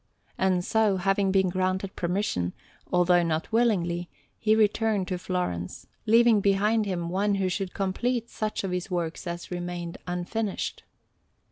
And so, having been granted permission, although not willingly, he returned to Florence, leaving behind him one who should complete such of his works as remained unfinished.